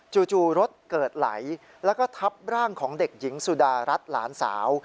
จู่รถเกิดไหลแล้วก็ทับร่างของเด็กหญิงสุดารัฐหลานสาว